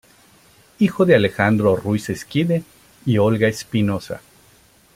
Hijo de Alejandro Ruiz-Esquide y Olga Espinoza.